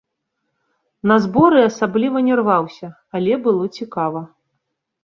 На зборы асабліва не рваўся, але было цікава.